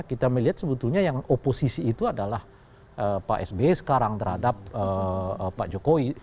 kita melihat sebetulnya yang oposisi itu adalah pak sbe sekarang terhadap pak jokowi